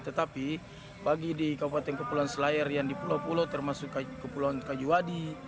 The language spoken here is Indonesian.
tetapi bagi di kabupaten kepulauan selayar yang di pulau pulau termasuk kepulauan kajuwadi